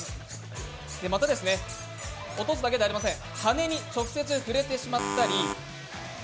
また落とすだけではありません。